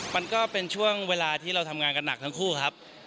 มันก็เป็นช่วงเวลาที่เราทำงานกันหนักทั้งคู่ครับ